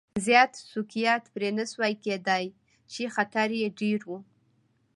زیات سوقیات پرې نه شوای کېدای چې خطر یې ډېر و.